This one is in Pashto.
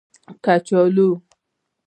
🥔 کچالو